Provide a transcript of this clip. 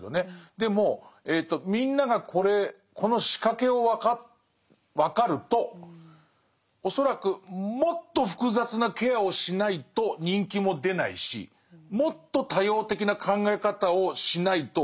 でもえとみんながこの仕掛けを分かると恐らくもっと複雑なケアをしないと人気も出ないしもっと多様的な考え方をしないと嫌われるようになると思うんです。